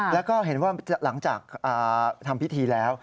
และเห็นว่าหลังจากที่พิธีแล้ว